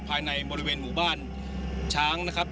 ภายในบริเวณหมู่บ้านช้างนะครับ